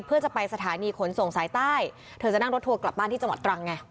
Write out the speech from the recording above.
เพื่อจะไปสถานีขนส่งสายใต้เธอจะนั่งรถทัวร์กลับบ้านที่จังหวัดตรังไง